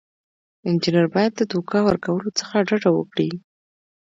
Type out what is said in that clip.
انجینر باید د دوکه ورکولو څخه ډډه وکړي.